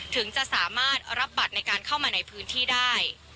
ถึงจะสามารถรับบัตรในการเข้ามาในพื้นที่ได้